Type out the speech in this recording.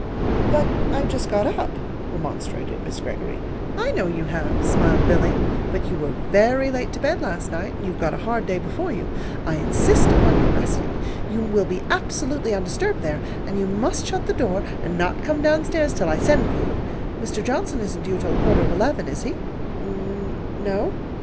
"But I've just got up," remonstrated Miss Greggory. "I know you have," smiled Billy; "but you were very late to bed last night, and you've got a hard day before you. I insist upon your resting. You will be absolutely undisturbed there, and you must shut the door and not come down stairs till I send for you. Mr. Johnson isn't due till quarter of eleven, is he?" "N no."